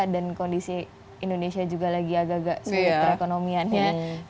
dan kondisi indonesia juga lagi agak agak sulit perekonomiannya